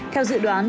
theo dự đoán